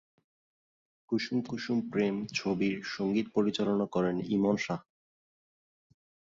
কুসুম কুসুম প্রেম ছবির সংগীত পরিচালনা করেন ইমন সাহা।